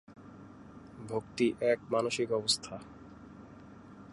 ভক্তি এক মানসিক অবস্থা।